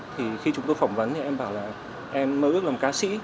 thì khi chúng tôi phỏng vấn thì em bảo là em mơ ước làm cá sĩ